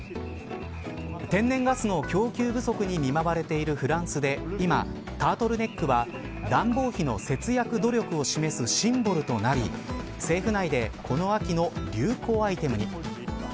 天然ガスの供給不足に見舞われているフランスで今、タートルネックは暖房費の節約努力を示すシンボルとなり政府内でこの秋の流行アイテムに。